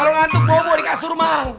kalau ngantuk bobo dikasur emang